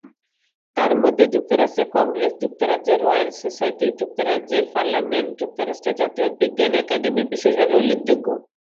তার মধ্যে যুক্তরাষ্ট্রের কংগ্রেস, যুক্তরাজ্যের রয়াল সোসাইটি, যুক্তরাজ্যের পার্লামেন্ট, যুক্তরাষ্ট্রের জাতীয় বিজ্ঞান একাডেমি বিশেষ ভাবে উল্লেখযোগ্য।